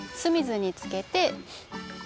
水につけて。